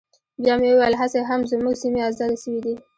بيا مې وويل هسې هم زموږ سيمې ازادې سوي دي.